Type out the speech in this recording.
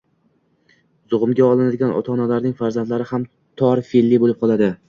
zug‘umga oladigan ota-onalarning farzandlari ham tor fe’lli bo‘lib qoladi.